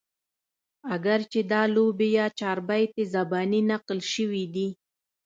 اګر چې دا لوبې يا چاربيتې زباني نقل شوي دي